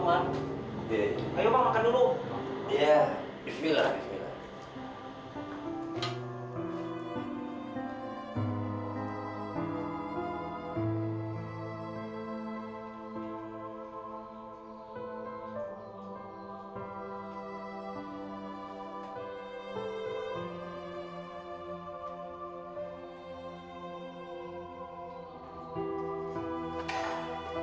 pasti yang dia awak bilang